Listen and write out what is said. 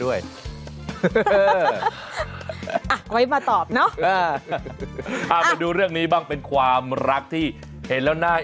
ไว้มาตอบเนาะมาดูเรื่องนี้บ้างเป็นความรักที่เห็นแล้วน่า